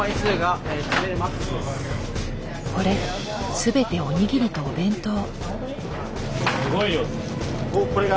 これ全ておにぎりとお弁当。